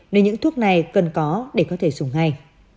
nên những thuốc này cần có để có thể dùng ngay